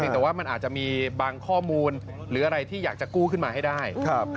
แต่ว่ามันอาจจะมีบางข้อมูลหรืออะไรที่อยากจะกู้ขึ้นมาให้ได้